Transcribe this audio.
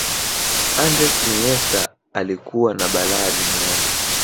andres iniesta alikuwa na balaa duniani